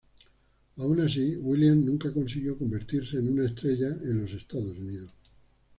Aun así, Williams nunca consiguió convertirse en una estrella en los Estados Unidos.